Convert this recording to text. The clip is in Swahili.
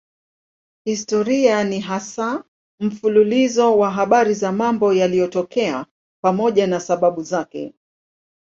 Historia ni hasa mfululizo wa habari za mambo yaliyotokea pamoja na sababu zake.